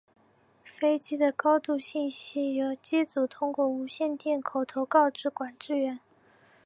飞机的高度信息由机组通过无线电口头告知管制员。